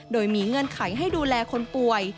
โดยมีเงื่อนไขให้ดูแลคนป่วย